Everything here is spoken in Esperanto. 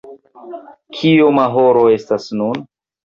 Kioma horo estas nun?